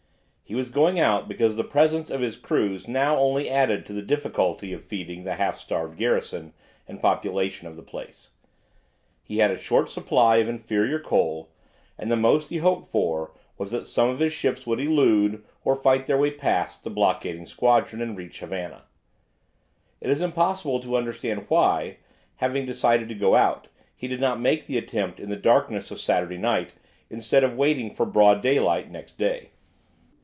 He was going out because the presence of his crews now only added to the difficulty of feeding the half starved garrison and population of the place. He had a short supply of inferior coal, and the most he hoped for was that some of his ships would elude, or fight their way past, the blockading squadron, and reach Havana. It is impossible to understand why, having decided to go out, he did not make the attempt in the darkness of Saturday night, instead of waiting for broad daylight next day.